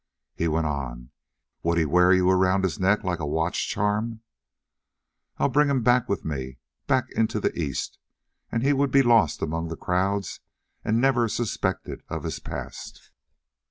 He went on: "Would he wear you around his neck like a watch charm?" "I'd bring him back with me back into the East, and he would be lost among the crowds and never suspected of his past."